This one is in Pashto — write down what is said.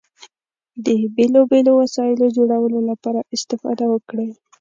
د بېلو بېلو وسایلو جوړولو لپاره استفاده وکړئ.